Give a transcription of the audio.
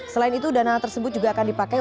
selain itu dana tersebut juga akan dipakai